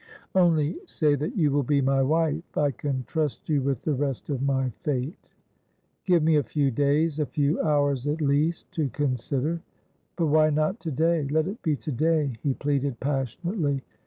' Only say that you will be my wife. I can trust you with the rest of my fate.' ' Give me a few days — a few hours, at least — to consider.' ' But why not to day? Let it be to day,' he pleaded pas sionately.